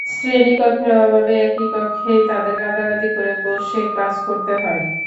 শ্রেণিকক্ষের অভাবে একটি কক্ষেই তাদের গাদাগাদি করে বসে ক্লাস করতে হয়।